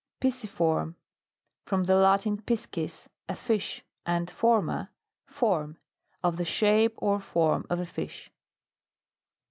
PISCIFORM. From the Latin, piscis, a fish, and forma, form. Of the shape or form of a fish.